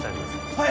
はい！